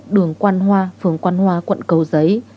đường quang hoa phường quang hoa quận cầu giấy